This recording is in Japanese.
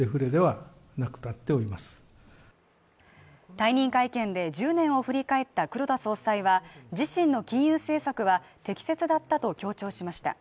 退任会見で１０年を振り返った黒田総裁は、自身の金融政策は適切だったと強調しました。